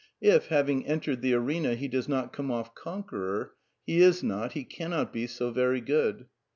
If, having entered the arena, he does not come off conqueror he is not, he cannot be, so very good.